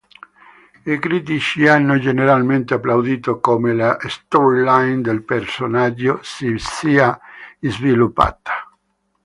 I critici hanno generalmente applaudito come la "storyline" del personaggio si sia sviluppata.